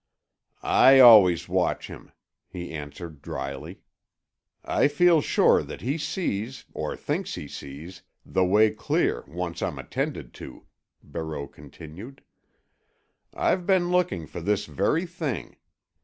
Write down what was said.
"I always watch him," he answered drily. "I feel sure that he sees—or thinks he sees—the way clear, once I'm attended to," Barreau continued. "I've been looking for this very thing.